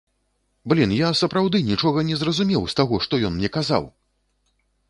Блін, я сапраўды нічога не зразумеў з таго, што ён мне казаў!